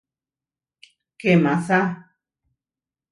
¡Kemasá!